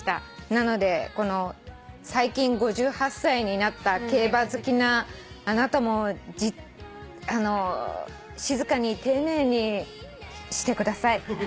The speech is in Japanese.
なのでこの最近５８歳になった競馬好きなあなたもあのう静かに丁寧にしてください。